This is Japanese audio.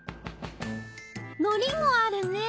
のりもあるね